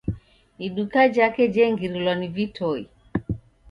Iduka jake jengirilwa ni vitoi